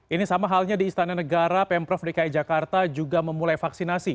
ini sama halnya di istana negara pemprov dki jakarta juga memulai vaksinasi